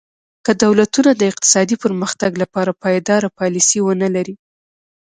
که دولتونه د اقتصادي پرمختګ لپاره پایداره پالیسي ونه لري.